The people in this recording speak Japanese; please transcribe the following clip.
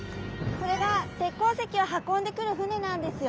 これが鉄鉱石を運んでくる船なんですよ。